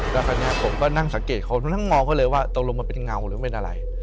แล้วคราวนี้ผมก็นั่งสังเกตเขานั่งมองเขาเลยว่าตกลงมันเป็นเงาหรือเป็นอะไร